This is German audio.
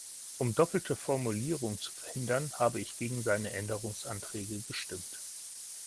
Um doppelte Formulierungen zu verhindern, habe ich gegen seine Änderungsanträge gestimmt.